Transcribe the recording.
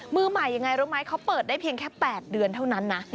มือใหม่ยังไงรู้ไหมเขาเปิดได้เพียงแค่๘เดือนเท่านั้นนะ